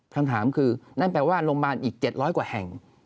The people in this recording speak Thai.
คำถามคือนั่นแปลว่าโรงพยาบาลอีก๗๐๐กว่าแห่ง